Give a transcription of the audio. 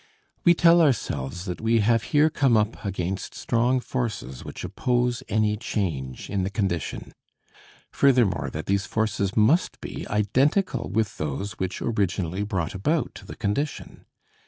We tell ourselves that we have here come up against strong forces which oppose any change in the condition; furthermore, that these forces must be identical with those which originally brought about the condition.